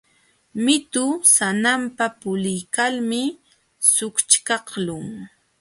Mitu sananpa puliykalmi sućhkaqlun.